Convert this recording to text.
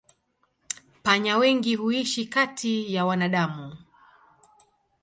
Panya wengi huishi kati ya wanadamu.